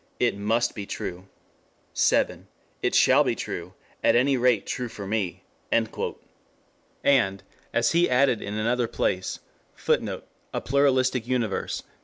It must be true; 7. It shall be true, at any rate true for me." And, as he added in another place, [Footnote: A Pluralistic Universe, p.